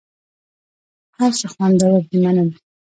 هر څه خوندور دي مننه .